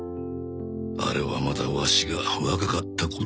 あれはまだワシが若かった頃。